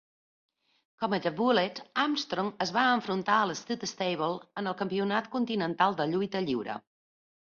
Com a "The Bullet", Armstrong es va enfrontar a l'Stud Stable en el Campionat Continental de Lluita Lliure.